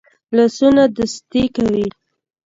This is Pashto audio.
لاسونه دوستی کوي